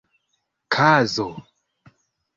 kazo